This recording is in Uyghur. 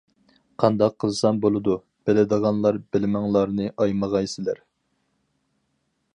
قانداق قىلسام بولىدۇ؟ بىلىدىغانلار بىلىمىڭلارنى ئايىمىغايسىلەر!